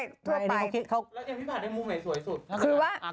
แล้วพี่ผัดได้มุมไหนสวยสุด